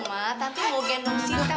nanti mau gendong sita